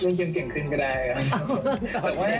เล่นเกี่ยวเก่งขึ้นก็ได้ครับ